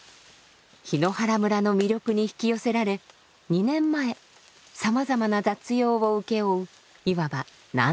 檜原村の魅力に引き寄せられ２年前さまざまな雑用を請け負ういわば何でも屋を始めました。